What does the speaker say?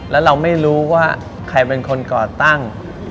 แล้วเราไม่รู้ว่าใครเป็นคนก่อตั้ง